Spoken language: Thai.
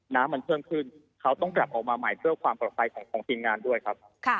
น้ำมันเพิ่มขึ้นเขาต้องกลับออกมาใหม่เพื่อความปลอดภัยของทีมงานด้วยครับ